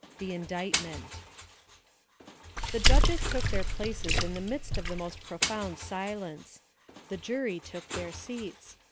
The Indictment The judges took their places in the midst of the most profound silence; the jury took their seats; M.